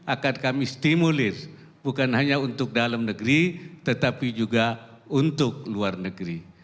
akan kami stimulir bukan hanya untuk dalam negeri tetapi juga untuk luar negeri